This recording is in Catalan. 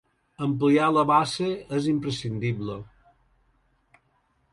Ampliar la base és imprescindible.